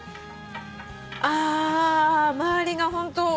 あ周りがホントお砂糖。